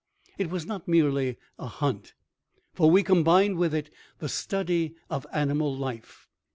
It was not merely a hunt, for we combined with it the study of animal life.